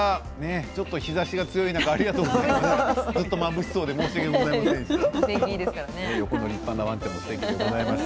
ちょっと日ざしが強い中ありがとうございました。